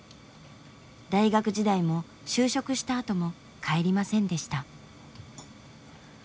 大学時代も就職したあとも帰りませんでした。